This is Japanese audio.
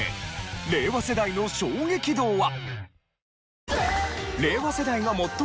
令和世代の衝撃度は？